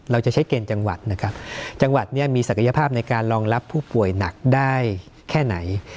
เราจะใช้เกณฑ์จังหวัดนะครับจังหวัดเนี่ยมีศักยภาพในการรองรับผู้ป่วยหนักได้แค่ไหน